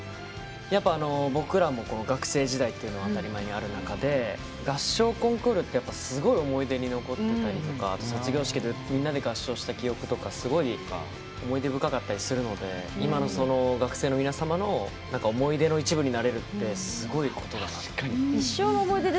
やっぱ、僕らも学生時代は当たり前にある中で合唱コンクールってすごい思い出に残ってたりとか卒業式でみんなで合唱した記憶とかすごい思い出深かったりするので今の学生の皆様の思い出の一部になれるってすごいことだなって。